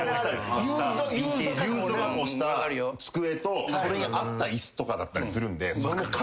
ユーズド加工した机とそれに合った椅子とかだったりするんで。